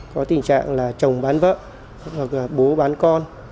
có tình trạng là chồng bán vợ hoặc là bố bán con